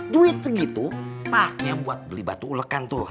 duit segitu pasnya buat beli batu ulekan tuh